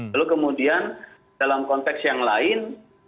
lalu kemudian dalam konteks yang lain